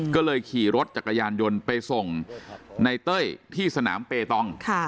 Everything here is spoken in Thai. ก็เลยขี่รถจักรยานยนต์ไปส่งในเต้ยที่สนามเปตอง